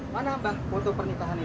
mana bang foto pernikahan ini